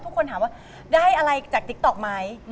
ทุกคนถามว่าได้อะไรจากติ๊กต๊อกไหม